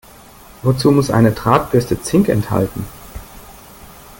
Wozu muss eine Drahtbürste Zink enthalten?